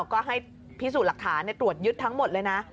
ก็ให้พิสูจน์หลักฐานตรวจยึดทั้งหมดเลยนะ